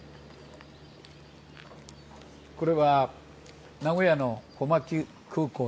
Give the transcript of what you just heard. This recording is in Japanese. これは名古屋の小牧空港です。